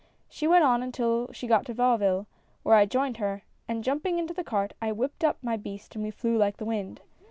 She went on until she got to Vauville, where I joined her, and jumping into the cart I whipped up my beast and we flew like the wind.